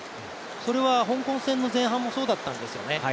それは香港戦の前半もそうだったんですよね。